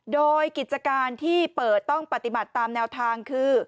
โดยกิจการที่เปิดต้องปฏิบัติตามแนวทางคือ